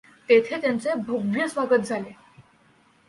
तेथे त्यांचे भव्य स्वागत झाले.